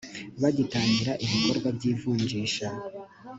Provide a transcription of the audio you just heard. bagitangira ibikorwa by ivunjisha